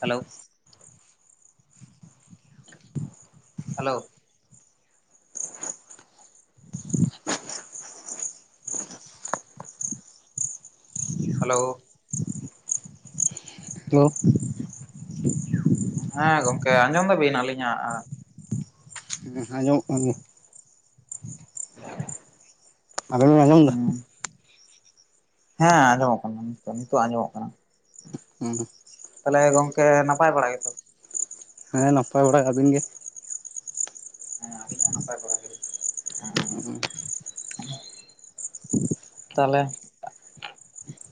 Hello hello hello hello ᱦᱮᱸ ᱜᱚᱝᱠᱮ ᱟᱸᱡᱚᱢ ᱫᱟᱵᱤᱱ ᱟᱹᱞᱤᱧᱟᱜ ᱟᱸ, ᱦᱮᱸ ᱟᱸᱡᱚᱢᱚᱜ ᱠᱟᱱ ᱜᱮ᱾ ᱟᱵᱮᱱ ᱵᱮᱱ ᱟᱸᱡᱚᱢᱫᱟ? ᱦᱮᱸ ᱟᱸᱡᱚᱢᱚᱜ ᱠᱟᱱᱟ ᱱᱤᱛᱚ ᱱᱤᱛᱚᱜ ᱟᱸᱡᱚᱢᱚᱜ ᱠᱟᱱᱟ᱾ ᱦᱩᱸ᱾ ᱛᱟᱦᱞᱮ ᱜᱚᱝᱠᱮ ᱱᱟᱯᱟᱭ ᱵᱟᱲᱟ ᱜᱮᱛᱚ? ᱦᱮᱸ ᱱᱟᱯᱟᱭ ᱵᱟᱲᱟ ᱟᱵᱤᱱ ᱜᱮ? ᱦᱮᱸ ᱟᱞᱤᱧ ᱦᱚᱸ ᱱᱟᱯᱟᱭ ᱵᱟᱲᱟ ᱜᱮ ᱮᱸ᱾ ᱛᱟᱦᱞᱮ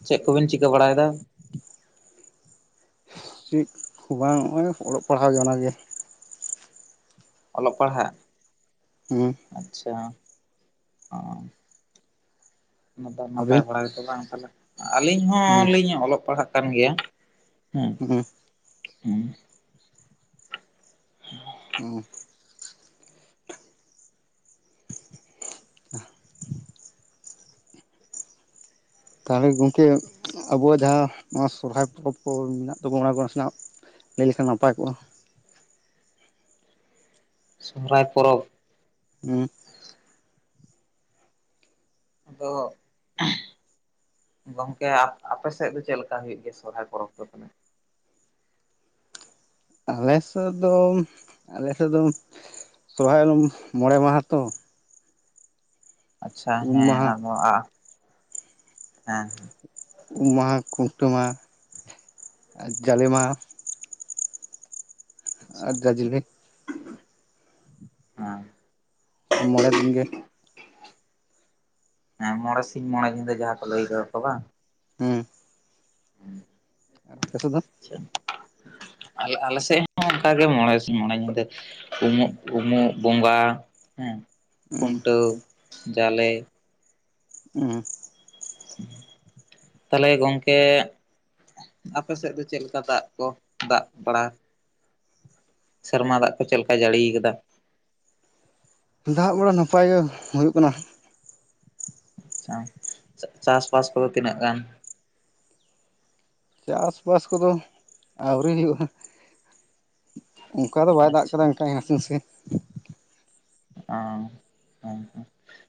ᱪᱮᱜ ᱠᱚᱵᱤᱱ ᱪᱤᱠᱟᱹ ᱵᱟᱲᱟᱭᱫᱟ? ᱪᱤᱜ ᱠᱷᱩ ᱵᱟᱝ ᱚᱸᱜ-ᱚᱭ ᱚᱞᱚᱜ ᱯᱟᱲᱦᱟᱣ ᱜᱮ ᱚᱱᱟᱜᱮ᱾ ᱚᱞᱚᱜ ᱯᱟᱲᱦᱟᱜ᱾ ᱦᱩᱸ᱾ ᱟᱪᱪᱷᱟ ᱚᱸ᱾ ᱚᱱᱟᱫᱚ ᱱᱟᱯᱟᱭ ᱟᱹᱵᱤᱱ ᱵᱟᱲᱟ ᱜᱮᱛᱚ ᱵᱟᱝ ᱛᱟᱞᱦᱮ ᱟᱞᱤᱧ ᱦᱚᱸᱞᱤᱧ ᱚᱞᱚᱜ ᱯᱟᱲᱦᱟᱜ ᱠᱟᱱ ᱜᱮᱭᱟ᱾ ᱦᱮᱸ ᱦᱩᱸ᱾ [inaudible] ᱛᱟᱦᱞᱮ ᱜᱚᱢᱠᱮ ᱟᱵᱚᱣᱟᱜ ᱡᱟᱦᱟᱸ ᱱᱚᱣᱟ ᱥᱚᱦᱨᱟᱭ ᱯᱚᱨᱚᱵᱽ ᱠᱚ ᱢᱮᱱᱟᱜ ᱛᱟᱵᱚᱱᱟ ᱚᱱᱟ ᱠᱚ ᱱᱟᱥᱮᱱᱟᱜ ᱞᱟᱹᱭ ᱞᱮᱠᱷᱟᱱ ᱱᱟᱯᱟᱭ ᱠᱚᱜ-ᱟ᱾ ᱥᱚᱦᱨᱟᱭ ᱯᱚᱨᱚᱵᱽ᱾ ᱦᱩᱸ᱾ ᱟᱫᱚ᱾ ᱜᱚᱝᱠᱮ ᱟᱯ ᱟᱯᱮᱥᱮᱫ ᱫᱚ ᱪᱮᱜ ᱞᱮᱠᱟ ᱦᱩᱭᱩᱜ ᱜᱮᱭᱟ ᱥᱚᱦᱨᱟᱭ ᱯᱚᱨᱚᱵᱽ ᱫᱚ ᱛᱚᱵᱮ᱾ ᱟᱞᱮᱥᱮᱜ ᱫᱚ ᱟᱞᱮᱥᱮᱜ ᱫᱚ ᱥᱚᱨᱦᱟᱭ ᱫᱚ ᱢᱚᱬᱮ ᱢᱟᱦᱟ ᱛᱚ᱾ ᱟᱪᱪᱷᱟ ᱩᱢ ᱦᱮᱸ ᱢᱟᱦᱟ ᱟᱵᱚ ᱟᱜ ᱦᱮᱸ᱾ ᱩᱢ ᱢᱟᱦᱟ ᱠᱷᱩᱱᱴᱟᱹᱣ ᱢᱟᱦᱟ ᱟᱨ ᱡᱟᱞᱮ ᱢᱟᱦᱟ᱾ ᱟᱨ ᱡᱟᱡᱞᱮ᱾ ᱦᱟᱸ᱾ ᱢᱚᱬᱮ ᱫᱤᱱ ᱜᱮ᱾ ᱦᱮᱸ ᱢᱚᱬᱮ ᱥᱤᱧ ᱢᱚᱬᱮ ᱧᱤᱫᱟᱹ ᱡᱟᱦᱟᱸ ᱠᱚ ᱞᱟᱹᱭ ᱠᱟᱫᱟ ᱠᱚ ᱵᱟᱝ᱾ ᱦᱩᱸ᱾ ᱟᱯᱮ ᱥᱮᱜ ᱫᱚ? ᱟᱪᱪᱷᱟ, ᱟᱞᱮ ᱟᱞᱮ ᱥᱮᱜ ᱦᱚᱸ ᱚᱱᱠᱟᱜᱮ ᱢᱚᱬᱮ ᱥᱤᱧ ᱢᱚᱬᱮ ᱧᱤᱫᱟᱹ᱾ ᱩᱢᱩᱜ ᱩᱢᱩᱜ ᱵᱚᱸᱜᱟ ᱦᱮᱸ ᱦᱩᱸ ᱠᱷᱩᱱᱴᱟᱹᱣ ᱡᱟᱞᱮ᱾ ᱦᱩᱸ᱾ ᱛᱟᱦᱞᱮ ᱜᱚᱢᱠᱮ᱾ ᱟᱯᱮ ᱥᱮᱜ ᱫᱚ ᱪᱮᱜ ᱞᱮᱠᱟ ᱫᱟᱜ ᱠᱚ ᱫᱟᱜ ᱵᱟᱲᱟ᱾ ᱥᱮᱨᱢᱟ ᱫᱟᱜ ᱠᱚ ᱪᱮᱜ ᱞᱮᱠᱟᱭ ᱡᱟᱲᱤᱭ ᱠᱟᱫᱟ᱾ ᱫᱟᱜ ᱵᱟᱲᱟ ᱱᱟᱯᱟᱭ ᱜᱮ ᱦᱩᱭᱩᱜ ᱠᱟᱱᱟ᱾ ᱟᱪᱪᱷᱟ ᱪᱟᱥᱵᱟᱥ ᱠᱚᱫᱚ ᱛᱤᱱᱟᱹᱜ ᱜᱟᱱ᱾ ᱪᱟᱥ ᱵᱟᱥ ᱠᱚᱫᱚ ᱟᱣᱨᱤ ᱦᱩᱭᱩᱜ-ᱟ᱾ ᱚᱝᱠᱟ ᱫᱚ ᱵᱟᱭ ᱫᱟᱜ ᱟᱪᱪᱷᱟ ᱠᱟᱫᱟ ᱚᱱᱠᱟ ᱟᱛᱩ ᱥᱮ᱾ ᱚᱻ ᱦᱮᱸ ᱦᱮᱸ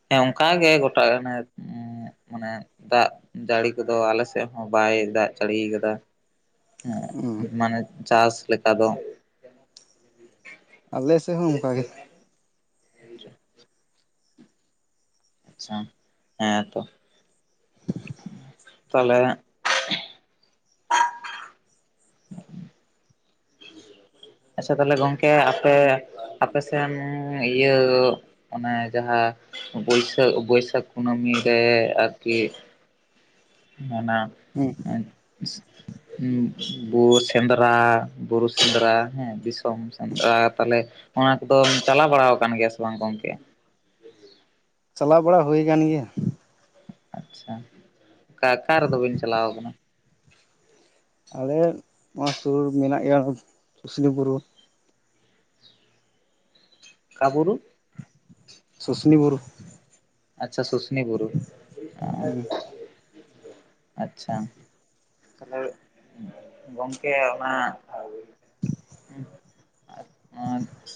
ᱦᱮᱸ ᱚᱝᱠᱟ ᱜᱮ ᱜᱚᱴᱟ ᱦᱟᱱᱮ᱾ ᱮᱸᱫ ᱢᱟᱱᱮ ᱫᱟᱜ ᱡᱟᱲᱤ ᱠᱚᱫᱚ ᱟᱞᱮ ᱥᱮᱜ ᱦᱚᱸ ᱵᱟᱭ ᱫᱟᱜ ᱡᱟᱲᱤᱭ ᱠᱟᱫᱟ᱾᱾ [unintelligible] [unintelligible] ᱢᱟᱱᱮ ᱪᱟᱥ ᱞᱮᱠᱟ ᱫᱚ᱾ ᱟᱞᱮ ᱥᱮᱜ ᱦᱚᱸ ᱚᱝᱠᱟ ᱜᱮ [inaudible] ᱟᱪᱷᱟ ᱦᱮᱸ ᱛᱚ ᱛᱟᱞᱮ ᱟᱪᱪᱷᱟ ᱛᱟᱦᱚᱞᱮ ᱜᱚᱝᱠᱮ ᱟᱯᱮ ᱟᱯᱮᱥᱮᱱ ᱤᱭᱟᱹ ᱚᱱᱮ ᱡᱟᱦᱟᱸ ᱵᱟᱹᱭᱥᱟᱹᱠ ᱵᱟᱹᱭᱥᱟᱠ ᱠᱩᱱᱟᱹᱢᱤ ᱨᱮ ᱟᱨᱠᱤ ᱚᱱᱟ ᱦᱩᱸ [inaudible] ᱵᱳ ᱥᱮᱸᱫᱽᱨᱟ ᱵᱩᱨᱩ ᱥᱮᱸᱫᱽᱨᱟ ᱦᱮᱸ ᱫᱤᱥᱚᱢ ᱥᱮᱸᱫᱽᱨᱟ ᱛᱟᱦᱞᱮ ᱚᱱᱟ ᱠᱚᱫᱚᱢ ᱪᱟᱞᱟᱣ ᱵᱟᱲᱟ ᱠᱟᱱ ᱜᱮᱭᱟ ᱥᱮ ᱵᱟᱝ ᱜᱚᱢᱠᱮ? ᱪᱟᱞᱟᱣ ᱵᱟᱲᱟ ᱦᱩᱭ ᱠᱟᱱ ᱜᱮᱭᱟ ᱟᱪᱪᱷᱟ ᱟᱠᱟ ᱟᱠᱟ ᱨᱮᱫᱚ ᱵᱤᱱ ᱪᱟᱞᱟᱣ ᱠᱟᱱᱟ? ᱟᱞᱮ ᱱᱚᱣᱟ ᱥᱳᱨ ᱢᱮᱱᱟᱜ ᱜᱮᱭᱟ ᱥᱩᱥᱱᱤ ᱵᱩᱨᱩ ᱚᱠᱟ ᱵᱩᱨᱩ ᱥᱩᱥᱱᱤ ᱵᱩᱨᱩ ᱟᱪᱪᱷᱟ ᱥᱩᱥᱱᱤ ᱵᱩᱨᱩ ᱦᱩᱸ ᱟᱪᱪᱷᱟ ᱛᱟᱦᱚᱞᱮ ᱜᱚᱝᱠᱮ ᱚᱱᱟ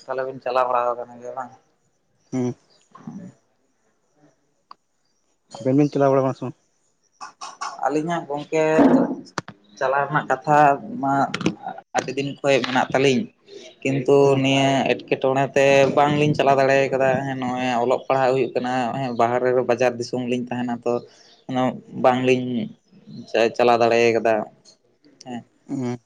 ᱛᱟᱦᱚᱞᱮ ᱵᱤᱱ ᱪᱟᱞᱟᱣ ᱵᱟᱲᱟ ᱠᱟᱱ ᱜᱮᱭᱟ ᱵᱟᱝ ᱦᱩᱸ ᱟᱵᱮ ᱵᱤᱱ ᱪᱟᱞᱟᱣ ᱵᱟᱲᱟ ᱠᱟᱱᱟ ᱥᱮ ᱵᱟᱝ ᱟᱹᱞᱤᱧᱟᱜ ᱜᱚᱝᱠᱮ ᱪᱟᱞᱟᱣ ᱨᱮᱱᱟᱜ ᱠᱟᱛᱷᱟ ᱢᱟ ᱟᱰᱤ ᱫᱤᱱ ᱠᱷᱚᱡ ᱢᱮᱱᱟᱜ ᱛᱟᱹᱞᱤᱧ ᱠᱤᱱᱛᱩ ᱦᱩᱸ ᱱᱤᱭᱟᱹ ᱮᱴᱠᱮᱴᱚᱬᱮ ᱛᱮ ᱵᱟᱝᱞᱤᱧ ᱪᱟᱞᱟᱣ ᱫᱟᱲᱮ ᱠᱟᱫᱟ ᱦᱮ ᱱᱚᱜᱼᱚᱭ ᱚᱞᱚᱜ ᱯᱟᱲᱦᱟᱜ ᱦᱩᱭᱩᱜ ᱠᱟᱱᱟ ᱦᱚᱜ ᱚᱭ ᱵᱟᱦᱮᱨᱮ ᱨᱮ ᱵᱟᱡᱟᱨ ᱫᱤᱥᱚᱢ ᱛᱚᱝ ᱞᱤᱧ ᱛᱟᱦᱮᱱᱟ ᱛᱚ ᱩᱱᱟᱹᱜ ᱵᱟᱝᱞᱤᱧ ᱪᱟᱞᱟᱣ ᱫᱟᱲᱮᱭ ᱠᱟᱫᱟ ᱦᱮᱸ ᱦᱩᱸ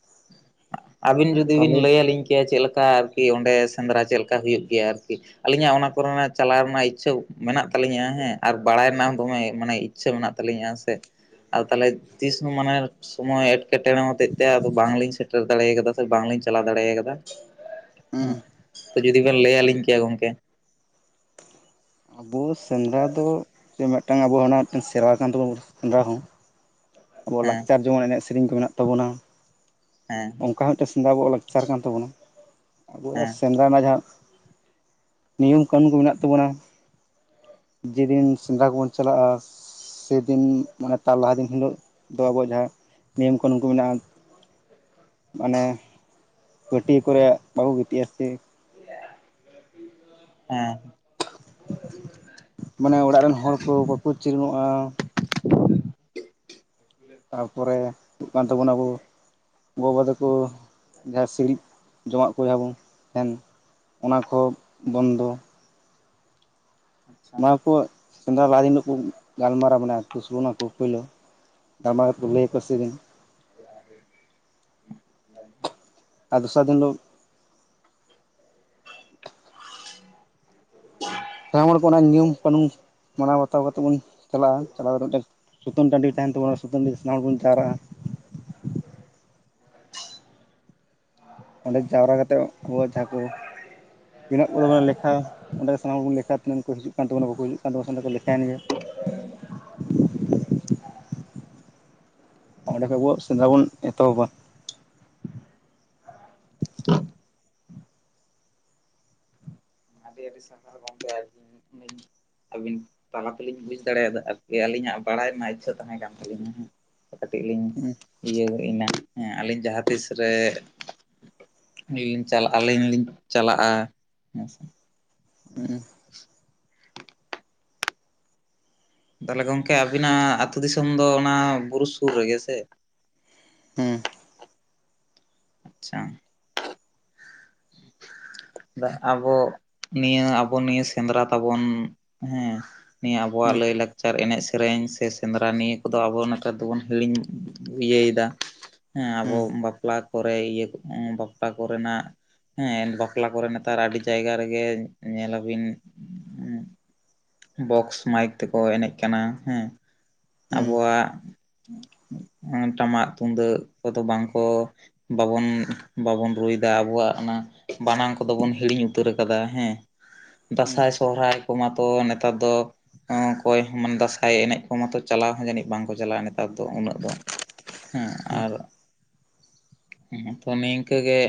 ᱟᱹᱵᱤᱱ ᱡᱩᱫᱤ ᱵᱤᱱ ᱛᱟᱦᱚᱞᱮ ᱞᱟᱹᱭᱟᱞᱤᱧ ᱠᱮᱭᱟ ᱪᱮᱜ ᱞᱮᱠᱟ ᱟᱨᱠᱤ ᱚᱸᱰᱮ ᱥᱮᱸᱫᱽᱨᱟ ᱪᱮᱜ ᱞᱮᱠᱟ ᱦᱩᱭᱩᱜ ᱜᱮᱭᱟ ᱟᱨᱠᱤ ᱟᱹᱞᱤᱧᱟᱜ ᱚᱱᱟ ᱠᱚᱨᱮᱱᱟᱜ ᱪᱟᱞᱟᱣ ᱨᱮᱱᱟᱜ ᱤᱪᱷᱟᱹ ᱢᱮᱱᱟᱜ ᱛᱟᱞᱤᱧᱟ ᱦᱮᱸ ᱟᱨ ᱵᱟᱲᱟᱭ ᱨᱮᱱᱟᱜ ᱦᱚᱸ ᱫᱚᱢᱮ ᱢᱟᱱᱮ ᱤᱪᱪᱷᱟᱹ ᱢᱮᱱᱟᱜ ᱛᱟᱞᱤᱧᱟ ᱥᱮ ᱟᱫᱚ ᱛᱟᱦᱚᱞᱮ ᱛᱤᱥᱦᱚᱸ ᱢᱟᱱᱮ ᱥᱚᱢᱚᱭ ᱮᱴᱠᱮᱴᱚᱬᱮ ᱦᱚᱛᱮᱡᱛᱮ ᱟᱫᱚ ᱵᱟᱝᱞᱤᱧ ᱥᱮ ᱴᱮᱨ ᱫᱟᱲᱮ ᱠᱟᱫᱟ ᱥᱮ ᱵᱟᱝᱞᱤᱧ ᱪᱟᱞᱟᱣ ᱫᱟᱲᱮ ᱠᱟᱫᱟ ᱦᱩᱸ ᱦᱚ ᱡᱩᱫᱤ ᱵᱮᱱ ᱞᱟᱹᱭ ᱞᱤᱧ ᱠᱮᱭᱟ ᱜᱚᱝᱠᱮ ᱟᱵᱚ ᱥᱮᱸᱫᱽᱨᱟ ᱫᱚ ᱡᱮ ᱢᱤᱜᱴᱟᱝ ᱟᱵᱚ ᱚᱱᱟ ᱢᱤᱜᱴᱟᱝ ᱥᱮᱨᱚᱣᱟ ᱠᱟᱱ ᱛᱟᱹᱵᱩ ᱣᱟ ᱥᱮᱸᱫᱽᱨᱟ ᱦᱚᱸ ᱟᱵᱚᱣᱟᱜ ᱦᱮᱸ ᱞᱟᱠᱪᱟᱨ ᱡᱮᱢᱚᱱ ᱮᱱᱮᱡ ᱥᱮᱨᱮᱧ ᱠᱚ ᱢᱮᱱᱟᱜ ᱛᱟᱵᱚᱱᱟ ᱦᱮᱸ ᱚᱝᱠᱟ ᱦᱚᱸ ᱢᱤᱜᱴᱮᱱ ᱥᱮᱸᱫᱽᱨᱟ ᱟᱵᱚᱣᱟᱜ ᱞᱟᱠᱪᱟᱨ ᱠᱟᱱ ᱛᱟᱵᱚᱱᱟ ᱟᱵᱚ ᱦᱮᱸ ᱥᱮᱸᱫᱽᱨᱟ ᱨᱮᱱᱟᱜ ᱡᱟᱦᱟᱸ ᱱᱤᱭᱚᱢ ᱠᱟᱹᱱᱩᱱ ᱠᱚ ᱢᱮᱱᱟᱜ ᱛᱟᱵᱚᱱᱟ ᱡᱮ ᱫᱤᱱ ᱥᱮᱸᱫᱽᱨᱟ ᱠᱚᱵᱚᱱ ᱪᱟᱞᱟᱜᱼᱟ ᱥᱮᱸᱫᱤᱱ ᱢᱟᱱᱮ ᱛᱟᱨ ᱞᱟᱦᱟ ᱫᱤᱱ ᱦᱤᱞᱳᱜ ᱫᱚ ᱟᱵᱚᱣᱟᱜ ᱡᱟᱦᱟᱸ ᱱᱤᱭᱚᱢ ᱠᱟᱱᱩᱱ ᱠᱚ ᱢᱮᱱᱟᱜᱼᱟ ᱾ ᱢᱟᱱᱮ ᱯᱟᱹᱴᱭᱟᱹ ᱠᱚᱨᱮ ᱵᱟᱵᱚ ᱜᱤᱛᱤᱜᱼ ᱟ ᱥᱮ? ᱦᱮᱸ ᱾ ᱢᱟᱱᱮ ᱚᱲᱟᱜ ᱨᱮᱱ ᱦᱚᱲ ᱠᱚ ᱵᱟᱠᱚ ᱪᱤᱨᱚᱱᱚᱜᱼᱟ ᱾ ᱛᱟᱨᱯᱚᱨᱮ ᱦᱩᱭᱩᱜ ᱠᱟᱱ ᱛᱟᱵᱳᱱᱟ ᱟᱵᱚ ᱜᱚᱼᱵᱟ ᱛᱟᱠᱚ ᱡᱟᱦᱟᱸ ᱥᱤᱲᱤᱡ ᱡᱚᱢᱟᱜ ᱠᱚ ᱡᱟᱦᱟᱸ ᱵᱚᱱ ᱛᱟᱦᱮᱱ ᱚᱱᱟ ᱠᱚ ᱵᱚᱱᱫᱚ ᱾ ᱟᱪᱪᱷᱟ ᱱᱚᱣᱟ ᱠᱚ ᱥᱮᱸᱫᱽᱨᱟ ᱞᱟᱦᱟ ᱫᱤᱱ ᱦᱤᱞᱳᱜ ᱠᱚ ᱜᱟᱞᱢᱟᱨᱟᱣ ᱢᱟᱱᱮ ᱟᱛᱳ ᱥᱳᱞᱳᱟᱱᱟ ᱠᱚ ᱯᱳᱭᱞᱳ ᱴᱟᱢᱟᱠ ᱨᱩᱭᱟ ᱟᱨ ᱠᱚ ᱥᱮᱨᱮᱧ, [inaudible] ᱟᱨ ᱫᱚᱥᱟᱨ ᱫᱤᱱ ᱦᱤᱞᱳᱜ ᱛᱟᱭᱚᱢ ᱦᱚᱲ ᱠᱚ ᱚᱱᱟ ᱱᱩᱤᱭᱚᱢ ᱠᱟᱹᱱᱩᱱ ᱢᱟᱱᱟᱣ ᱵᱟᱛᱟᱣ ᱠᱟᱛᱮᱫ ᱵᱚᱱ ᱪᱟᱞᱟᱜᱼᱟ᱾ ᱪᱟᱞᱟᱣ ᱠᱟᱛᱮᱫ ᱢᱤᱫᱴᱟᱝ ᱥᱩᱛᱟᱹᱱ ᱴᱟᱺᱰᱤ ᱛᱟᱦᱮᱱ ᱛᱟᱵᱚᱱᱟ ᱥᱩᱛᱟᱹᱱ ᱴᱟᱺᱰᱤ ᱨᱮ ᱥᱟᱱᱟᱢ ᱦᱚᱲ ᱵᱚᱱ ᱡᱟᱣᱨᱟᱜᱼᱟ ᱾ [inaudible] ᱚᱸᱰᱮ ᱡᱟᱣᱨᱟ ᱠᱟᱛᱮᱫ ᱦᱚᱲ ᱡᱟᱦᱟᱸ ᱠᱚ ᱛᱤᱱᱟᱹᱜ [unintelligible] ᱞᱮᱠᱷᱟᱼᱟ ᱚᱸᱰᱮ ᱥᱟᱱᱟᱢ ᱦᱚᱲ ᱵᱚᱱ ᱞᱮᱠᱷᱟᱜᱼᱟ ᱛᱤᱱᱟᱹᱜ ᱠᱚ ᱦᱤᱡᱩᱜ ᱠᱟᱱ ᱛᱟᱵᱚᱱᱟ ᱚᱸᱰᱮ ᱞᱮᱷᱟᱟᱭᱮᱱ ᱜᱮᱭᱟ [unintelligible] ᱚᱸᱰᱮ ᱠᱷᱚᱡ ᱟᱵᱚ ᱥᱮᱸᱫᱽᱨᱟ ᱵᱚᱱ ᱮᱛᱚᱦᱚᱵᱼᱟ᱾ ᱟᱹᱰᱤ ᱟᱹᱰᱤ ᱥᱟᱨᱦᱟᱣ ᱜᱚᱢᱠᱮ ᱟᱨᱠᱤ [unintelligible] ᱟᱹᱵᱤᱱ ᱛᱟᱞᱟ ᱛᱮᱞᱤᱧ ᱵᱩᱡ ᱫᱟᱲᱮᱭᱟᱫᱟ ᱟᱨᱠᱤ ᱟᱹᱞᱤᱧᱟᱜ ᱵᱟᱲᱟᱭ ᱨᱮᱱᱟᱜ ᱤᱪᱪᱷᱟᱹ ᱛᱟᱦᱮᱸᱠᱟᱱ ᱛᱟᱹᱞᱤᱧᱟ᱾ ᱠᱟᱹᱴᱤᱡ ᱞᱤᱧ ᱤᱭᱟᱹ ᱜᱚᱜ ᱮᱱᱟ ᱦᱮᱸ ᱟᱹᱞᱤᱧ ᱡᱟᱦᱟᱸ ᱛᱤᱥ ᱨᱮ ᱟᱞᱤᱧ ᱞᱤᱧ ᱪᱟᱞᱟᱜᱼᱟ, ᱟᱹᱞᱤᱧ ᱞᱤᱧ ᱪᱟᱞᱟᱜᱼᱟ ᱦᱮᱸᱥᱮ ᱩᱸᱦ, ᱛᱟᱦᱚᱞᱮ ᱜᱚᱝᱠᱮ ᱟᱵᱤᱱᱟᱜ ᱟᱹᱛᱩ ᱫᱤᱥᱚᱢ ᱫᱚ ᱚᱱᱟ ᱵᱩᱨᱩ ᱥᱩᱨ ᱨᱮᱜᱮ ᱦᱮᱥᱮ? ᱟᱪᱪᱷᱟ, ᱟᱵᱚ ᱱᱤᱭᱟᱹ ᱟᱵᱚ ᱱᱤᱭᱟᱹ ᱥᱮᱸᱫᱽᱨᱟ ᱛᱟᱵᱚᱱ, ᱦᱮᱸ, ᱱᱤᱭᱟᱹ ᱟᱵᱚᱣᱟᱜ ᱞᱟᱹᱭ ᱞᱟᱠᱪᱟᱨ ᱮᱱᱮᱡ ᱥᱮ ᱥᱮᱨᱮᱧ ᱥᱮ ᱥᱮᱸᱫᱽᱨᱟ ᱱᱤᱭᱟᱹ ᱠᱚᱫᱚ ᱟᱵᱚ ᱱᱮᱛᱟᱨ ᱫᱚᱵᱚᱱ ᱦᱤᱲᱤᱧ ᱤᱭᱟᱹᱭᱮᱫᱟ᱾ ᱦᱮᱸ ᱟᱵᱚ ᱵᱟᱯᱞᱟ ᱠᱚᱨᱮ ᱤᱭᱟᱹ ᱵᱟᱯᱞᱟ ᱠᱚᱨᱮᱱᱟᱜ ᱦᱮᱸ ᱵᱟᱯᱞᱟ ᱠᱚᱨᱮ ᱱᱮᱛᱟᱨ ᱟᱹᱰᱤ ᱡᱟᱭᱜᱟ ᱨᱮᱜᱮ ᱧᱮᱞᱟᱵᱤᱱ ᱩᱸ, ᱵᱚᱠᱥ ᱢᱟᱭᱤᱠ ᱛᱮᱠᱚ ᱮᱱᱮᱡ ᱠᱟᱱᱟ ᱦᱮᱸ᱾ ᱟᱵᱚᱣᱟᱜ ᱴᱟᱢᱟᱜ ᱛᱩᱢᱫᱟᱹᱜ ᱠᱚᱫᱚ ᱵᱟᱝᱠᱚ ᱵᱟᱵᱚᱱ ᱵᱟᱵᱚᱱ ᱨᱩᱭᱮᱫᱟ ᱟᱵᱚᱣᱟᱜ ᱚᱱᱟ ᱵᱟᱱᱟᱝ ᱠᱚᱫᱚ ᱵᱚᱱ ᱦᱤᱲᱤᱧ ᱩᱛᱟᱹᱨ ᱟᱠᱟᱫᱟ᱾ ᱦᱮᱸ, ᱫᱟᱸᱥᱟᱭ ᱥᱚᱦᱨᱟᱭ ᱠᱚᱢᱟᱛᱚ ᱱᱮᱛᱟᱨ ᱫᱚ ᱦᱮᱸ ᱚᱠᱚᱭ ᱦᱚᱸ ᱢᱟᱱᱮ ᱫᱟᱸᱥᱟᱭ ᱮᱱᱮᱡ ᱠᱚ ᱢᱟᱛᱚ ᱪᱟᱞᱟᱣ ᱦᱚᱸ ᱡᱟᱹᱱᱤᱡ ᱵᱟᱝᱠᱚ ᱪᱟᱞᱟᱜᱼᱟ ᱱᱮᱛᱟᱨ ᱫᱚ ᱩᱱᱟᱹᱜ ᱫᱚ? ᱦᱮᱸ ᱟᱨ ᱦ ᱛᱚ ᱱᱤᱝᱠᱟᱹ ᱜᱮ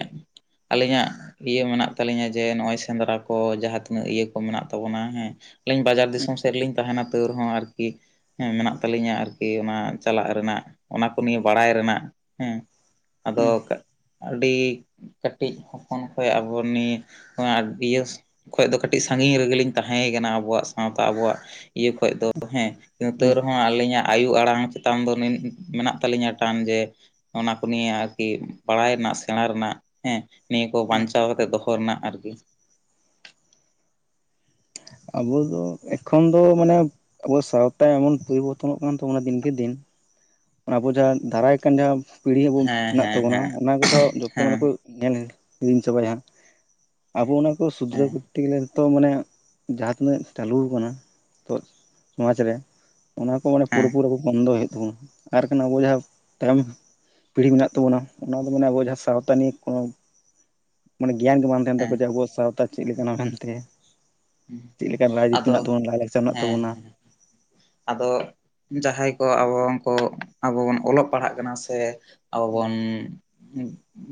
ᱟᱹᱞᱤᱧᱼᱟᱜ ᱤᱭᱟᱹ ᱢᱮᱱᱟᱜ ᱛᱟᱹᱞᱤᱧᱟ ᱡᱮ ᱱᱚᱜᱼᱚᱭ ᱥᱮᱸᱫᱽᱨᱟ ᱠᱚ ᱡᱟᱦᱟᱸ ᱛᱤᱱᱟᱹᱜ ᱤᱭᱟᱹ ᱠᱚ ᱢᱮᱱᱟᱜ ᱛᱟᱵᱚᱱᱟ ᱦᱮᱸ, ᱟᱹᱞᱤᱧ ᱵᱟᱡᱟᱨ ᱫᱤᱥᱚᱢ ᱥᱮᱫ ᱨᱮᱞᱤᱧ ᱛᱟᱦᱮᱱᱟ ᱛᱟᱹᱣ ᱨᱮᱦᱚᱸ ᱟᱨᱠᱤ, ᱦᱮᱸ ᱢᱮᱱᱟᱜ ᱛᱟᱹᱞᱤᱧᱟ ᱟᱨᱠᱤ ᱚᱱᱟ ᱪᱟᱞᱟᱜ ᱨᱮᱱᱟᱜ ᱚᱱᱟ ᱠᱚ ᱱᱤᱭᱟᱹ ᱵᱟᱲᱟᱭ ᱨᱮᱱᱟᱜ ᱦᱮᱸ᱾ ᱟᱫᱚ ᱟᱹᱰᱤ ᱠᱟᱹᱴᱤᱡ ᱦᱚᱯᱚᱱ ᱠᱷᱚᱡ ᱟᱵᱚ ᱱᱤᱭᱟᱹ ᱤᱭᱟᱹ ᱠᱷᱚᱡ ᱫᱚ ᱠᱟᱹᱴᱤᱡ ᱥᱟᱺᱜᱤᱧ ᱨᱮᱜᱮᱞᱤᱧ ᱛᱟᱦᱮᱸ ᱠᱟᱱᱟ ᱟᱵᱚᱣᱟᱜ ᱥᱟᱶᱛᱟ ᱟᱵᱚᱣᱟᱜ ᱤᱭᱟᱹ ᱠᱷᱚᱡ ᱫᱚ ᱦᱮᱸ᱾ ᱛᱟᱹᱣ ᱨᱮᱦᱚᱸ ᱟᱹᱞᱤᱧᱟᱜ ᱟᱭᱩ ᱟᱲᱟᱝ ᱪᱮᱛᱟᱱ ᱫᱚ ᱢᱮᱱᱟᱜ ᱛᱟᱹᱞᱤᱧᱟ ᱴᱟᱱ ᱡᱮ ᱚᱱᱟ ᱱᱤᱭᱟᱹ ᱟᱨᱠᱤ ᱵᱟᱲᱟᱭ ᱨᱮᱱᱟᱜ ᱥᱮᱸᱬᱟ ᱨᱮᱱᱟᱜ ᱦᱮᱸ ᱱᱤᱭᱟᱹ ᱠᱚ ᱵᱟᱧᱪᱟᱣ ᱠᱟᱛᱮᱫ ᱫᱚᱦᱚ ᱨᱮᱱᱟᱜ ᱟᱨᱠᱤ᱾ ᱟᱵᱚ ᱫᱚ ᱮᱠᱷᱚᱱ ᱫᱚ ᱢᱟᱱᱮ ᱟᱵᱚ ᱥᱟᱶᱛᱟ ᱮᱢᱚᱱ ᱯᱚᱨᱤᱵᱚᱨᱛᱚᱱᱚᱜ ᱠᱟᱱ ᱛᱟᱵᱚᱱᱟ ᱫᱤᱱᱠᱮ ᱫᱤᱱ ᱟᱵᱚ ᱡᱟᱦᱟᱸ ᱫᱟᱨᱟᱭ ᱠᱟᱱ ᱡᱟᱦᱟᱸ ᱯᱤᱲᱦᱤ ᱟᱵᱚ ᱦᱮᱸ ᱢᱮᱱᱟᱜ ᱦᱮᱸ ᱛᱟᱵᱚᱱᱟ ᱦᱮᱸ ᱚᱱᱟ ᱠᱚᱫᱚ ᱡᱚᱛᱚ ᱢᱟᱱᱮ ᱦᱮᱸ ᱠᱩ ᱧᱮᱞ ᱦᱤᱲᱤᱧ ᱪᱟᱵᱟᱭᱟ ᱦᱟᱸᱜ ᱟᱵᱚ ᱚᱱᱟ ᱠᱚ ᱥᱩᱫᱷᱨᱟᱹᱣ ᱦᱮᱸ ᱠᱚᱨᱛᱮ ᱜᱮᱞᱮ ᱱᱤᱛᱚᱜ ᱢᱟᱱᱮ ᱡᱟᱦᱟᱸ ᱛᱤᱱᱟᱹᱜ ᱪᱟᱞᱩ ᱟᱠᱟᱱᱟ ᱱᱤᱛᱚᱜ ᱥᱚᱢᱟᱡ ᱨᱮ ᱚᱱᱟ ᱢᱟᱱᱮ ᱯᱩᱨᱟᱹ ᱦᱮᱸ ᱯᱩᱨᱤ ᱵᱚᱱᱫᱚᱭ ᱦᱩᱭᱩᱜ ᱛᱟᱵᱚᱱᱟ ᱟᱨᱠᱷᱟᱱ ᱟᱵᱚ ᱡᱟᱦᱟᱸ ᱛᱟᱭᱚᱢ ᱯᱤᱲᱦᱤ ᱢᱮᱱᱟᱜ ᱛᱟᱵᱚᱱᱟ ᱚᱱᱟ ᱫᱚ ᱢᱟᱱᱮ ᱟᱵᱚ ᱡᱟᱦᱟᱸ ᱥᱟᱶᱛᱟ ᱱᱤᱭᱮ ᱠᱚᱱᱚ ᱢᱟᱱᱮ ᱜᱮᱭᱟᱱ ᱜᱮ ᱵᱟᱝ ᱛᱟᱦᱮᱱ ᱦᱮᱸ ᱛᱟᱠᱚᱣᱟ ᱡᱮ ᱟᱵᱚᱣᱟᱜ ᱥᱟᱶᱛᱟ ᱪᱮᱫ ᱞᱮᱠᱟᱱᱟ ᱢᱮᱱᱛᱮ᱾ ᱪᱮᱫ ᱞᱮᱠᱟᱱ ᱨᱟᱡᱽᱱᱤᱛᱤ ᱟᱫᱚ ᱢᱮᱱᱟᱜ ᱛᱟᱵᱚᱱᱟ ᱞᱟᱭᱼᱞᱟᱠᱪᱟᱨ ᱢᱮᱱᱟᱜ ᱦᱮᱸ ᱛᱟᱵᱚᱱᱟ ᱟᱫᱚ, ᱡᱟᱦᱟᱸᱭ ᱠᱚ ᱟᱵᱚ ᱠᱚ ᱟᱵᱚ ᱵᱚᱱ ᱚᱞᱚᱜ ᱯᱟᱲᱦᱟᱜ ᱠᱟᱱᱟ ᱥᱮ ᱟᱵᱚ ᱦᱩᱸ ᱵᱚᱱᱼᱼ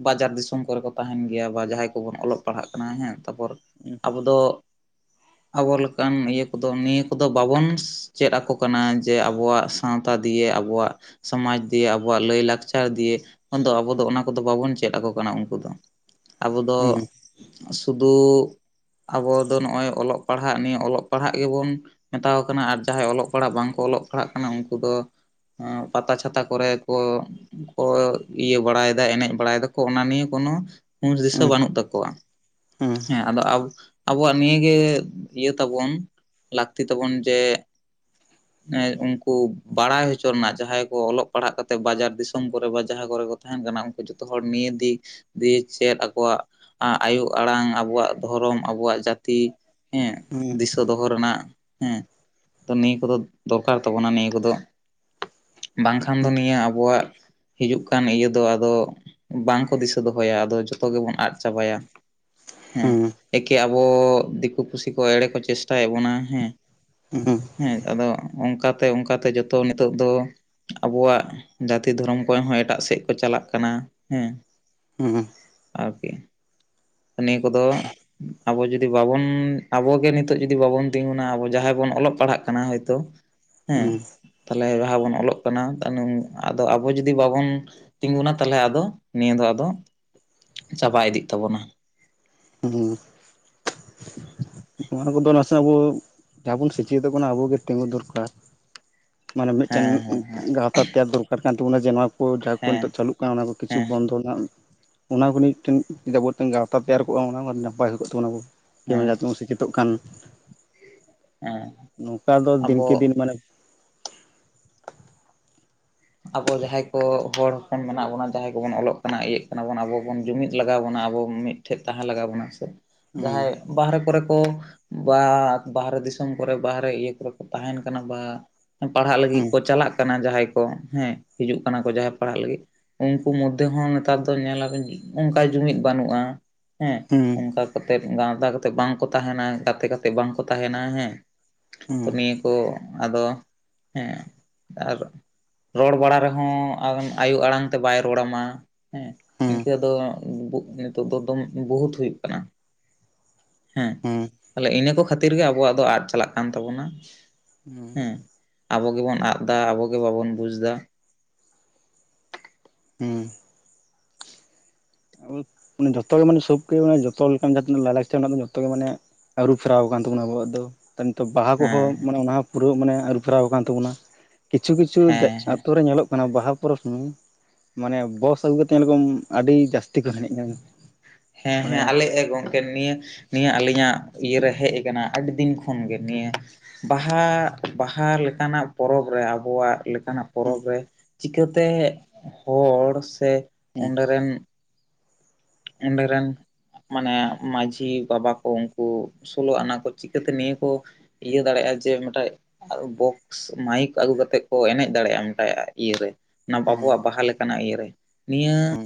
ᱵᱟᱡᱟᱨ ᱫᱤᱥᱚᱢ ᱠᱚᱨᱮ ᱠᱚ ᱛᱟᱦᱮᱱ ᱜᱮᱭᱟ ᱵᱟ ᱡᱟᱦᱟᱸᱭ ᱠᱚᱵᱚᱱ ᱚᱞᱚᱜ ᱯᱟᱲᱦᱟᱜ ᱠᱟᱱᱟ ᱦᱮᱸ ᱛᱟᱨᱯᱚᱨᱼᱼ ᱩ, [inaudible] ᱟᱵᱚ ᱫᱚ, ᱟᱵᱚ ᱞᱮᱠᱟᱱ ᱤᱭᱟᱹ ᱠᱚᱫᱚ ᱱᱤᱭᱟᱹ ᱠᱚᱫᱚ ᱵᱟᱵᱚᱱ ᱪᱮᱫ ᱟᱠᱚ ᱠᱟᱱᱟ ᱡᱮ ᱟᱵᱚᱣᱟᱜᱼᱼ ᱥᱟᱶᱛᱟ ᱫᱤᱭᱮ ᱟᱵᱚᱣᱟᱜ ᱥᱚᱢᱟᱡᱽ ᱫᱤᱭᱮ ᱟᱵᱚᱣᱟᱜ ᱞᱟᱹᱭ ᱞᱟᱠᱪᱟᱨ ᱫᱤᱭᱮᱼᱼ ᱫᱚ ᱟᱵᱚ ᱫᱚ ᱚᱱᱟ ᱠᱚᱫᱚ ᱵᱟᱵᱚᱱ ᱪᱮᱫ ᱟᱠᱚ ᱠᱟᱱᱟ ᱩᱱᱠᱩ ᱫᱚ, ᱟᱵᱚ ᱫᱚ ᱦᱩᱸ ᱥᱩᱫᱩ ᱟᱵᱚᱼᱼ ᱟᱫᱚ ᱱᱚᱜ ᱚᱭ ᱚᱞᱚᱜ ᱯᱟᱲᱦᱟᱜ ᱱᱤᱭᱟᱹ ᱚᱞᱚᱜ ᱯᱟᱲᱦᱟᱜ ᱜᱮᱵᱚᱱᱼᱼ ᱢᱮᱛᱟ ᱠᱚ ᱠᱟᱱᱟ ᱟᱨ ᱡᱟᱦᱟᱸᱭ ᱚᱞᱚᱜ ᱯᱟᱲᱦᱟᱜ ᱵᱟᱝᱠᱚ ᱚᱞᱚᱜ ᱯᱟᱲᱦᱟᱜ ᱠᱟᱱᱟ ᱩᱱᱠᱩ ᱫᱚᱼᱼ ᱯᱟᱛᱟ ᱪᱷᱟᱛᱟ ᱠᱚᱨᱮ ᱠᱚᱼᱼ ᱠᱚ ᱤᱭᱟᱹ ᱵᱟᱲᱟᱭ ᱫᱟ ᱮᱱᱮᱡ ᱵᱟᱲᱟᱭ ᱫᱟᱠᱚ ᱚᱱᱟ ᱱᱤᱭᱮ ᱠᱳᱱᱳ, ᱦᱩᱥ ᱫᱤᱥᱟᱹ ᱦᱩᱸ ᱵᱟᱹᱱᱩᱜ ᱛᱟᱠᱚᱣᱟ ᱦᱩᱸ ᱦᱮᱸ ᱟᱫᱚ ᱟᱵᱼᱼ ᱟᱵᱚᱣᱟᱜ ᱱᱤᱭᱟᱹᱜᱮ ᱤᱭᱟᱹ ᱛᱟᱵᱚᱱ ᱞᱟᱹᱠᱛᱤ ᱛᱟᱵᱚᱱ ᱡᱮ, ᱩᱱᱠᱩ ᱵᱟᱲᱟᱭ ᱦᱚᱪᱚ ᱨᱮᱱᱟᱜ ᱡᱟᱦᱟᱸᱭ ᱠᱚ ᱚᱞᱚᱜ ᱯᱟᱲᱦᱟᱜ ᱠᱟᱛᱮᱜ ᱵᱟᱡᱟᱨ ᱫᱤᱥᱚᱢ ᱠᱚᱨᱮ ᱵᱟ ᱡᱟᱦᱟᱸ ᱠᱚᱨᱮᱼᱼ ᱛᱟᱦᱮᱱ ᱠᱟᱱᱟ ᱩᱱᱠᱩ ᱡᱚᱛᱚ ᱦᱚᱲ ᱱᱤᱭᱟᱹ ᱫᱤᱤᱠ ᱫᱤᱭᱮ ᱪᱮᱫ ᱟᱠᱚᱣᱟᱜ, ᱟᱭᱳ ᱟᱲᱟᱝ ᱟᱵᱚᱣᱟᱜ ᱫᱷᱚᱨᱚᱢ ᱟᱵᱚᱣᱟᱜ ᱡᱟᱛᱤᱼᱼ ᱦᱮᱸ ᱦᱩᱸ ᱫᱤᱥᱟᱹ ᱫᱚᱦᱚ ᱨᱮᱱᱟᱜ ᱦᱮᱸ ᱛᱚ ᱱᱤᱭᱟᱹ ᱠᱚᱫᱚ, ᱫᱚᱨᱠᱟᱨ ᱛᱟᱵᱚᱱᱟ ᱱᱤᱭᱟᱹ ᱠᱚᱫᱚ ᱵᱟᱝᱠᱷᱟᱱ ᱫᱚ ᱱᱤᱭᱟᱹ ᱟᱵᱚᱣᱟᱜᱼᱼ ᱦᱤᱡᱩᱜ ᱠᱟᱱ ᱤᱭᱟᱹ ᱫᱚ ᱟᱫᱚ ᱵᱟᱝᱠᱚ ᱫᱤᱥᱟᱹ ᱫᱚᱦᱚᱭᱟ ᱟᱫᱚ ᱡᱚᱛᱚ ᱜᱮᱵᱚᱱ ᱟᱫ ᱪᱟᱵᱟᱭᱟ᱾ ᱦᱮᱸ ᱦᱩᱸ ᱮᱠᱮ ᱟᱵᱚ ᱫᱤᱠᱩ ᱯᱩᱥᱤ ᱠᱚ ᱮᱲᱮ ᱠᱚ ᱪᱮᱥᱴᱟᱭᱮᱫ ᱵᱚᱱᱟ ᱦᱮᱸ, ᱦᱩ ᱦᱩᱸ, ᱦᱮᱸ ᱟᱫᱚ ᱚᱱᱠᱟᱛᱮ ᱚᱱᱠᱟᱛᱮ ᱡᱚᱛᱚ ᱱᱤᱛᱚᱜ ᱫᱚ᱾ ᱟᱵᱚᱣᱟᱜ ᱡᱟᱹᱛᱤ ᱫᱷᱚᱨᱚᱢ ᱠᱚ ᱦᱚᱸ ᱮᱴᱟᱜ ᱥᱮᱫ ᱠᱚ ᱪᱟᱞᱟᱜ ᱠᱟᱱᱟ ᱦᱮᱸ, ᱦᱩᱸ, ᱟᱨᱠᱮ, ᱱᱤᱭᱟᱹ ᱠᱚᱫᱚᱼᱼ ᱟᱵᱚ ᱡᱩᱫᱤ ᱵᱟᱵᱚᱱ ᱟᱵᱚᱜᱮ ᱱᱤᱛᱚᱜ ᱡᱚᱫᱤ ᱵᱟᱵᱚᱱ ᱛᱤᱸᱜᱩᱱᱟ ᱟᱵᱚ ᱡᱟᱦᱟᱸᱭ ᱵᱚᱱ ᱚᱞᱚᱜ ᱯᱟᱲᱦᱟᱜ ᱠᱟᱱᱟ ᱦᱳᱭᱛᱳ, ᱦᱮᱸ ᱦᱩᱸ ᱛᱟᱦᱚᱞᱮ ᱡᱟᱦᱟᱸ ᱵᱚᱱ ᱚᱞᱚᱜ ᱠᱟᱱᱟ ᱦᱮ ᱟᱫᱚ ᱟᱵᱚ ᱡᱩᱚᱫᱤ ᱵᱟᱵᱚᱱ, ᱛᱤᱸᱜᱩᱱᱟ ᱛᱟᱦᱚᱞᱮ ᱟᱫᱚ ᱱᱤᱭᱟᱹ ᱫᱚ ᱟᱫᱚ ᱪᱟᱵᱟ ᱤᱫᱤᱜ ᱛᱟᱵᱚᱱᱟ, ᱦᱩᱸ, ᱦᱩᱸ, [inaudible] ᱱᱚᱣᱟ ᱠᱚᱫᱚ ᱱᱟᱥᱮ ᱟᱵᱚ ᱡᱟᱦᱟᱸ ᱵᱚᱱ ᱥᱮᱪᱮᱫᱚᱜ ᱠᱟᱱᱟ ᱟᱵᱚ ᱜᱮ ᱛᱤᱸᱜᱩ ᱫᱚᱨᱠᱟᱨ᱾ ᱢᱟᱱᱮ ᱢᱤᱫᱴᱮᱱ ᱦᱮᱸ ᱦᱮᱸ ᱦᱮᱸ ᱜᱟᱶᱛᱟ ᱛᱮᱭᱟᱨ ᱫᱚᱨᱠᱟᱨ ᱠᱟᱱ ᱛᱟᱵᱳᱱᱟ ᱡᱮ ᱱᱚᱣᱟ᱾ ᱡᱟᱦᱟᱸ ᱠᱚ ᱦᱮᱸ ᱱᱤᱛᱚᱜ ᱪᱟᱹᱞᱩᱜ ᱠᱟᱱᱟ ᱚᱱᱟ ᱠᱚ ᱠᱤᱪᱷᱩ ᱦᱮᱸ ᱵᱚᱱᱫᱚ ᱨᱮᱱᱟᱜ, ᱚᱱᱟ ᱠᱚ ᱢᱤᱫᱴᱮᱱ ᱡᱮ ᱟᱵᱮᱱ ᱜᱟᱶᱛᱟ ᱛᱮᱭᱟᱨ ᱠᱚᱜᱼᱟ ᱚᱱᱟ ᱱᱟᱯᱟᱭ ᱦᱩᱭᱩᱜᱜ ᱛᱟᱚᱱᱟ ᱦᱮᱸ ᱠᱮᱢᱮᱨᱟᱱ, ᱛᱳᱜᱠᱟᱱ ᱦᱮᱸ ᱱᱚᱝᱠᱟ ᱫᱚ ᱟᱵᱚ ᱫᱤᱱᱠᱮ ᱫᱤᱱ ᱢᱟᱱᱮ, ᱟᱵᱚ ᱡᱟᱦᱟᱸᱭ ᱠᱚ ᱦᱚᱲ ᱦᱚᱯᱚᱱ ᱢᱮᱱᱟᱜ ᱵᱚᱱᱟ ᱡᱟᱦᱟᱸᱭ ᱠᱚᱵᱚᱱ ᱚᱞᱚᱜ ᱠᱟᱱᱟ ᱤᱭᱟᱹᱜ ᱠᱟᱱᱟ ᱵᱚᱱ ᱟᱵᱚ ᱵᱚᱱ ᱡᱩᱢᱤᱫ ᱞᱟᱜᱟᱣ ᱵᱚᱱᱟ ᱟᱵᱚ ᱢᱤᱫᱼᱼ ᱴᱷᱮᱡ ᱛᱟᱦᱮᱸ ᱞᱟᱜᱟᱣ ᱵᱚᱱᱟ ᱥᱮ ᱡᱟᱦᱟᱸᱭ, ᱦᱩᱸ ᱵᱟᱦᱨᱮ ᱠᱚᱨᱮ ᱠᱚ ᱵᱟ ᱵᱟᱦᱨᱮ ᱫᱤᱥᱚᱢ ᱠᱚᱨᱮ ᱵᱟᱦᱨᱮ ᱤᱭᱟᱹ ᱠᱚᱨᱮ ᱠᱚ ᱛᱟᱦᱮᱱ ᱠᱟᱱᱟ ᱵᱟ, ᱯᱟᱲᱦᱟᱜ ᱞᱟᱹᱜᱤᱫ ᱦᱩᱸ ᱠᱚ ᱪᱟᱞᱟᱜ ᱠᱟᱱᱟ ᱡᱟᱦᱟᱸᱭ ᱠᱚ ᱦᱮᱸ ᱦᱤᱡᱩᱜ ᱠᱟᱱᱟ ᱠᱚ ᱡᱟᱦᱟᱸᱭ ᱯᱟᱲᱦᱟᱜ ᱞᱟᱹᱜᱤᱫ, ᱩᱱᱠᱩ ᱢᱳᱫᱽᱫᱷᱮ ᱦᱚᱸ ᱱᱮᱛᱟᱨ ᱫᱚ ᱧᱮᱞᱟᱵᱤᱱ ᱚᱱᱠᱟ ᱡᱩᱢᱤᱫ ᱵᱟᱹᱱᱩᱜᱼᱟ ᱦᱮᱸ, ᱦᱩᱸ, ᱚᱱᱠᱟ ᱠᱟᱛᱮᱫ ᱜᱟᱶᱛᱟ ᱠᱟᱛᱮ ᱵᱟᱝᱠᱚ ᱛᱟᱦᱮᱱᱟ ᱜᱟᱛᱮ ᱠᱟᱛᱮ ᱵᱟᱝᱠᱚ ᱛᱟᱦᱮᱱᱟ ᱦᱮᱸ, ᱯ-ᱪᱚᱜ ᱦᱩᱸ ᱛᱚ ᱱᱤᱭᱟᱹ ᱠᱚ ᱟᱫᱚ ᱦᱮᱸ ᱟᱨ, ᱨᱚᱲ ᱵᱟᱲᱟ ᱨᱮᱦᱚᱸ ᱟᱭᱳ ᱟᱲᱟᱝ ᱛᱮ ᱵᱟᱭ ᱨᱚᱲᱟ ᱢᱟ ᱦᱮᱸᱦ, ᱦᱩᱸ ᱤᱱᱠᱟᱹ ᱫᱚ ᱵᱩᱜ ᱱᱤᱛᱚᱜ ᱫᱚ ᱫᱚᱢ ᱵᱩᱜ ᱵᱩᱦᱩᱛ ᱦᱩᱭᱩᱜ ᱠᱟᱱᱟ ᱾ ᱦᱩᱸ ᱛᱟᱦᱞᱮ ᱤᱱᱟᱹ ᱠᱚ ᱠᱷᱟᱹᱛᱤᱨ ᱜᱮ ᱟᱵᱚᱣᱟᱜ ᱫᱚ ᱟᱫ ᱪᱟᱞᱟᱜ ᱠᱟᱱ ᱛᱟᱵᱚᱱᱟ, ᱥᱩᱜ ᱾ ᱦᱩᱸ ᱦᱮᱸ ᱟᱵᱚ ᱜᱮᱵᱚᱱ ᱟᱜ ᱫᱟ ᱟᱵᱚᱜᱮ ᱵᱟᱵᱚᱱ ᱵᱩᱡᱽ ᱫᱟ ᱾ ᱦᱩᱸ ᱾ ᱥᱩᱜ ᱾ ᱟ-ᱳᱫ ᱾ ᱢᱟᱱᱮ ᱡᱚᱛᱚ ᱜᱮ ᱢᱟᱱᱮ ᱥᱚᱠᱨᱤᱭ ᱡᱚᱛᱚ ᱞᱮᱠᱟᱱ ᱡᱟᱦᱟᱸᱛᱤᱱᱟᱹᱜ ᱞᱟᱭᱼᱞᱟᱪᱟᱨ ᱢᱮᱱᱟᱜ ᱫᱚ ᱡᱚᱛᱚ ᱜᱮ ᱢᱟᱱᱮ ᱟᱹᱨᱩ ᱯᱷᱮᱨᱟᱣ ᱟᱠᱟᱱ ᱛᱟᱵᱚᱱᱟ ᱟᱵᱚᱣᱟᱜ ᱫᱚ ᱱᱤᱛᱚᱜ ᱵᱟᱦᱟ ᱦᱮᱸ ᱠᱚᱦᱚᱸ ᱢᱟᱱᱮ ᱚᱱᱟ ᱯᱩᱨᱟᱹ ᱢᱟᱱᱮ ᱟᱹᱨᱩ ᱯᱷᱮᱨᱟᱣ ᱟᱠᱟᱱ ᱛᱟᱵᱚᱱᱟ ᱾ ᱠᱤᱪᱷᱩ ᱠᱤᱪᱷᱩ ᱦᱮᱸ ᱦᱮᱸ ᱟᱛᱳ ᱨᱮ ᱧᱮᱞᱚᱜ ᱠᱟᱱᱟ ᱵᱟᱦᱟ ᱯᱚᱨᱚᱵᱽ ᱥᱚᱢᱚᱭ ᱢᱟᱱᱮ ᱵᱚᱥ ᱟᱹᱜᱩ ᱠᱟᱛᱮ ᱧᱮᱞ ᱠᱚᱢ ᱟᱹᱰᱤ ᱡᱟᱥᱛᱤ ᱠᱚ ᱮᱱᱮᱡ ᱾ ᱦᱮᱸ ᱦᱮᱸ ᱟᱞᱮ ᱮ ᱜᱚᱝᱠᱮ ᱱᱤᱭᱟᱹ, ᱱᱤᱭᱟᱹ ᱟᱞᱤᱧᱟᱜ ᱤᱭᱟᱹᱨᱮ ᱦᱮᱡ ᱟᱠᱟᱱᱟ ᱾ ᱟᱹᱰᱤ ᱫᱤᱱ ᱠᱷᱚᱱᱜᱮ ᱱᱤᱭᱟᱹ ᱵᱟᱦᱟ ᱵᱟᱦᱟ ᱞᱮᱠᱟᱱᱟᱜ ᱯᱚᱨᱚᱵᱽ ᱨᱮ ᱟᱵᱚᱣᱟᱜ ᱠᱟᱱᱟᱜ ᱦᱩᱸ ᱯᱚᱨᱚᱵᱽ ᱨᱮ ᱪᱤᱠᱟᱹᱛᱮ ᱦᱚᱲ ᱥᱮ ᱦᱩᱸ ᱚᱸᱰᱮ ᱨᱮᱱ ᱚᱸᱰᱮ ᱨᱮᱱ ᱢᱟᱱᱮ ᱢᱟᱺᱡᱷᱤ ᱵᱟᱵᱟ ᱠᱚ ᱩᱱᱠᱩ ᱥᱳᱞᱳ ᱟᱱᱟ ᱠᱚ ᱪᱤᱠᱟᱹᱛᱮ ᱱᱤᱭᱟᱹ ᱠᱚ ᱤᱭᱟᱹ ᱫᱟᱲᱮᱭᱟᱜᱼᱟ, ᱡᱮ ᱢᱤᱫᱴᱟᱡ ᱟᱨ ᱵᱚᱠᱥ ᱢᱟᱭᱤᱠ ᱟᱹᱜᱩ ᱠᱟᱛᱮᱫ ᱠᱚ ᱮᱱᱮᱡ ᱫᱟᱲᱮᱭᱟᱜᱼᱟ ᱢᱤᱫᱴᱟᱡ ᱤᱭᱟᱹᱨᱮ ᱾ ᱦᱩᱸ ᱟᱵᱚᱣᱟᱜ ᱵᱟᱦᱟ ᱞᱮᱠᱟᱱᱟᱜ ᱤᱭᱟᱹᱨᱮ ᱱᱤᱭᱟᱹ ᱦᱩᱸ